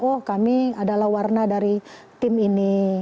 oh kami adalah warna dari tim ini